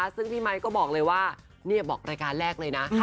ซึ่งพี่ไมค์ก็บอกนี่ตอนแรกเลยนะ